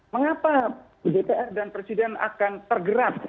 mengapa dpr dan presiden akan tergerak